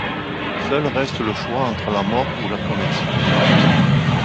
Seul reste le choix entre la mort ou la conversion.